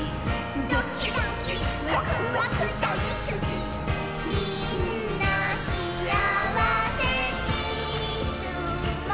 「ドキドキワクワクだいすき」「みんなしあわせ」「いつも」